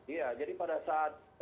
ya jadi pada saat